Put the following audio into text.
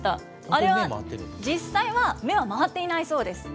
あれは実際は、目は回っていないそうです。